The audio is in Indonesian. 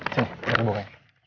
sini aku buka